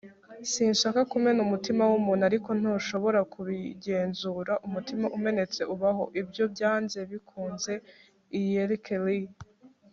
sinshaka kumena umutima w'umuntu, ariko ntushobora kubigenzura. umutima umenetse ubaho; ibyo byanze bikunze. - lykke li